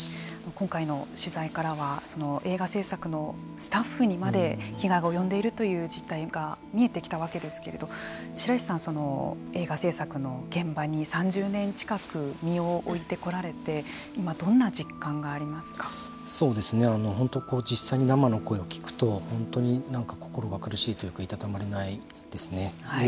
今回の取材からは映画制作のスタッフにまで被害が及んでいるという実態が見えてきたわけですけれども白石さん、映画制作の現場に３０年近く身を置いてこられて実際に生の声を聞くと本当に心が苦しいというかいたたまれないですね。